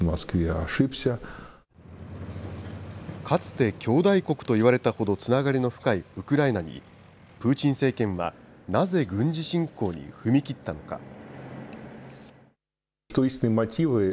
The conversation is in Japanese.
かつて兄弟国といわれたほどつながりの深いウクライナに、プーチン政権はなぜ軍事侵攻に踏み切ったのか。